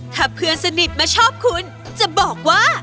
ถ้าเพื่อนสนิทมาชอบคุณจะบอกว่า